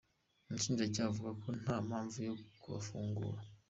Umushinjacyaha avuga ko nta mpamvu yo kubafungura.